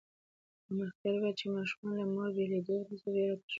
امرخېل وویل چې ماشومان له مور بېلېدو وروسته وېره تجربه کوي.